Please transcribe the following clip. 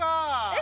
え